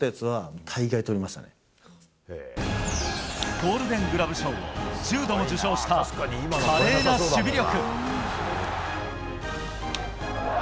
ゴールデングラブ賞を１０度も受賞した華麗な守備力。